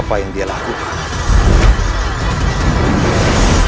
apa yang dia lakukan